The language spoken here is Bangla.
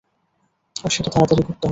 আর সেটা তাড়াতাড়ি করতে হবে।